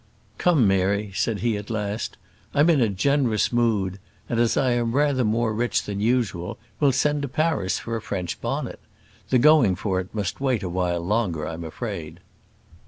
"Come, Mary," said he at last, "I'm in a generous mood; and as I am rather more rich than usual, we'll send to Paris for a French bonnet. The going for it must wait a while longer I am afraid."